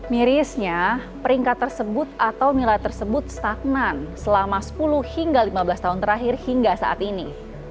mirisnya peringkat tersebut atau nilai tersebut stagnan selama sepuluh hingga lima belas tahun terakhir hingga saat ini